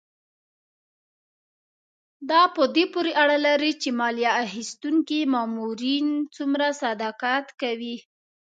دا په دې پورې اړه لري چې مالیه اخیستونکي مامورین څومره صداقت کوي.